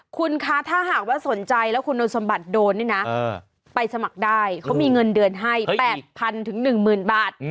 คุณคะถ้าหากว่าสนใจแล้วคุณสมบัติโดนนี่นะไปสมัครได้เขามีเงินเดือนให้๘๐๐๑๐๐บาท